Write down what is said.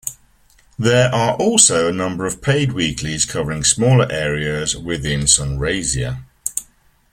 There are also a number of paid weeklies covering smaller areas within Sunraysia.